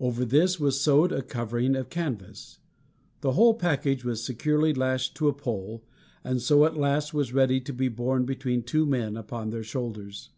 Over this was sewed a covering of canvas. The whole package was securely lashed to a pole, and so at last was ready to be borne between two men upon their shoulders.